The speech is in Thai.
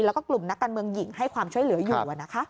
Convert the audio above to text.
แล้วก็กลุ่มนักการเมืองหญิงให้ความช่วยเหลืออยู่